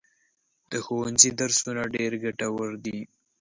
د ښوونځي درسونه ډېر ګټور دي.